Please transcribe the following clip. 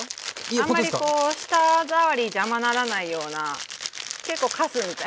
あんまり舌触り邪魔にならないような結構かすみたいな。